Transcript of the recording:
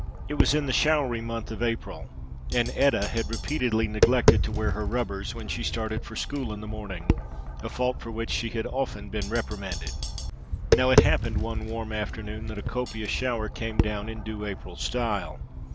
It was in the showery month of April, and Etta had repeatedly neglected to wear her rubbers when she started for school in the morning, a fault for which she had often been reprimanded. Now it happened one warm afternoon that a copious shower came down in due April style.